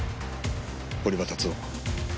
堀場達夫。